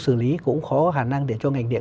xử lý cũng có khả năng để cho ngành điện